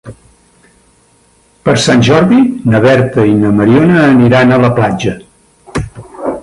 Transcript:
Per Sant Jordi na Berta i na Mariona aniran a la platja.